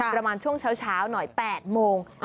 ประมาณช่วงเช้าหน่อย๘โมง